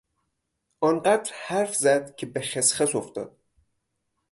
آن قدر حرف زد که به خسخس افتاد.